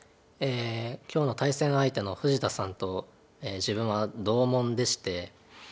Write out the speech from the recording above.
今日の対戦相手の富士田さんと自分は同門でして。